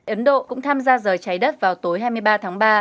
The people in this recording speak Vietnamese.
ấn độ cũng tham gia giờ trái đất vào tối hai mươi ba tháng ba